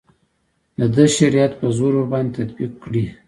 د ده شریعت په زور ورباندې تطبیق کړي.